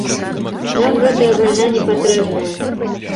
Нам гэтая вайна не патрэбная.